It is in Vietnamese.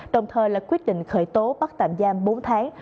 đồng thời là quyết định khởi tố bắt tạm giam bốn tháng